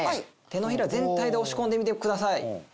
手のひら全体で押し込んでみてください。